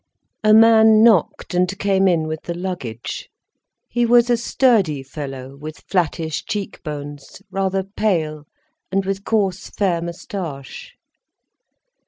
A man knocked and came in with the luggage. He was a sturdy fellow with flattish cheek bones, rather pale, and with coarse fair moustache.